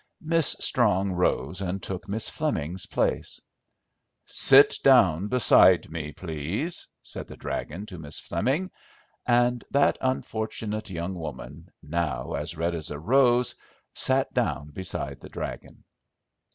Miss Strong rose and took Miss Fleming's place. "Sit down beside me, please?" said the "dragon" to Miss Fleming; and that unfortunate young woman, now as red as a rose, sat down beside the "dragon."